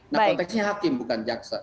nah konteksnya hakim bukan jaksa